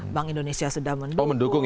bank indonesia sudah mendukung